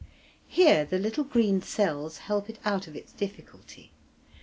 Here the little green cells help it out of its difficulty.